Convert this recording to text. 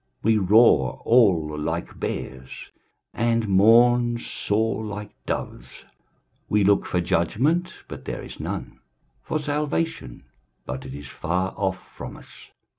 23:059:011 We roar all like bears, and mourn sore like doves: we look for judgment, but there is none; for salvation, but it is far off from us.